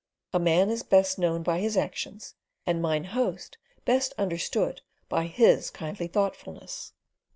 A man is best known by his actions, and Mine Host best understood by his kindly thoughtfulness.